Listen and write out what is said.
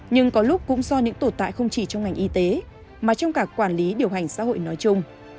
nhưng có lúc cũng do những tồn tại không chỉ trong ngành y tế mà trong cả quản lý điều hành xã hội nói chung